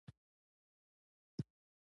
هیلۍ د خوږو آوازونو خاوند ده